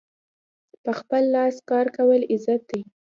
په خپل لاس کار کول عزت دی.